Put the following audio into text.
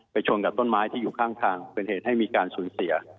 ชนกับต้นไม้ที่อยู่ข้างทางเป็นเหตุให้มีการสูญเสีย